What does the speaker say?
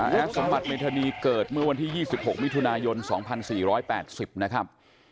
และสมบัติเมธานีเกิดเมื่อวันที่๒๖มิถุนายน๒๔๘๐นะครับ